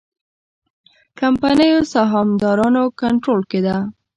کمپنیو سهامدارانو کنټرول کې ده.